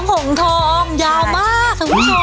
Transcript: หงทองยาวมากคุณผู้ชม